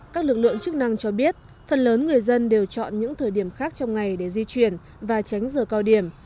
các lực lượng chức năng cho biết phần lớn người dân đều chọn những thời điểm khác trong ngày để di chuyển và tránh giờ cao điểm